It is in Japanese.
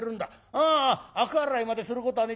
あああか洗いまですることはねえ。